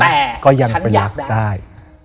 แต่ก็ยังเป็นรักได้